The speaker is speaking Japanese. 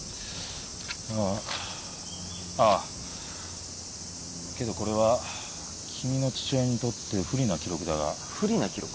あああっけどこれは君の父親にとって不利な記録だが不利な記録？